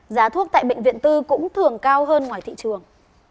giá thuốc tại bệnh viện tư cũng thường cao hơn ngoài thị trường